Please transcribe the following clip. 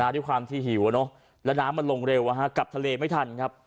ด้วยความที่หิวแล้วน้ำมันลงเร็วกลับทะเลไม่ทันครับ